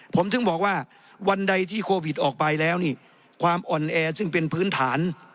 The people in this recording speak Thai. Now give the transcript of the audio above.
ผมถึงบอกว่าวันใดที่โควิดออกไปแล้วนี่ความอ่อนแอซึ่งเป็นพื้นฐาน